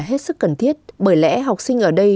hết sức cần thiết bởi lẽ học sinh ở đây